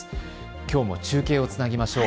きょうも中継をつなぎましょう。